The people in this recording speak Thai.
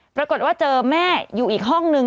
ปรากฏว่าเจอแม่อยู่อีกห้องนึง